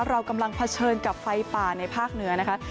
เรากำลังเผชิญกับไฟป่าในภาคเหนือนะคะ